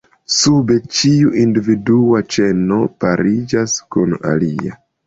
Sube, ĉiu individua ĉeno pariĝas kun alia.